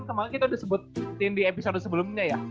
kemarin kita udah sebutin di episode sebelumnya ya